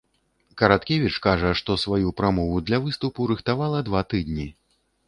Караткевіч кажа, што сваю прамову для выступу рыхтавала два тыдні.